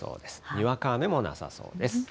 にわか雨もなさそうです。